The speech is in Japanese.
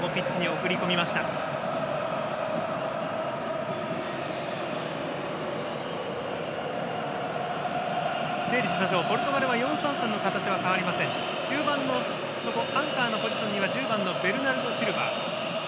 整理しましょうポルトガルは４−３−３の形は変わりません、中盤の底アンカーのポジションには１０番のベルナルド・シルバ。